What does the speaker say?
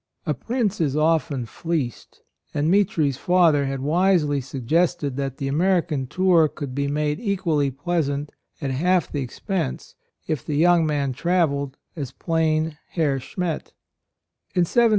A prince is often fleeced ; and Mitri's father had wisely suggested that the American tour could be made equally pleasant at half the expense if the young man travelled as plain Herr Schmet.